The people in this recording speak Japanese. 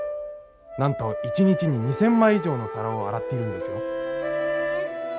なんと一日に２千枚以上のさらをあらっているんですよ」。